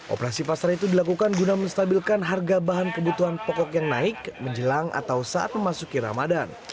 operasi pasar itu dilakukan guna menstabilkan harga bahan kebutuhan pokok yang naik menjelang atau saat memasuki ramadan